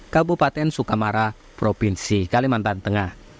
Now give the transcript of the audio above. kabupaten sukamara provinsi kalimantan tengah